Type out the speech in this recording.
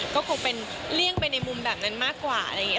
ก็คงเป็นเลี่ยงไปในมุมแบบนั้นมากกว่าอะไรอย่างนี้